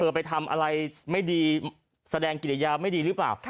ไปทำอะไรไม่ดีแสดงกิริยาไม่ดีหรือเปล่า